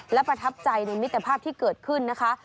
และประทับใจในมิตรภาพที่เกิดขึ้นนะคะ